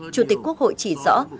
chủ tịch quốc hội chỉ rõ